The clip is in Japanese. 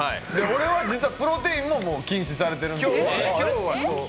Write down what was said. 俺は実はプロテインも禁止されてるんですけど。